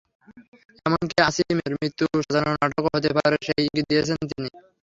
এমনকি আসিমের মৃত্যু সাজানো নাটকও হতে পারে সেই ইঙ্গিত দিয়েছিলেন তিনি।